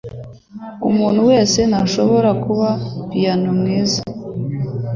Umuntu wese ntashobora kuba piyano mwiza.